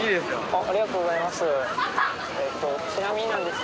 ありがとうございます。